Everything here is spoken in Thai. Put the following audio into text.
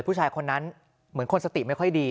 ผู้ชายคนนั้นเหมือนคนสติไม่ค่อยดี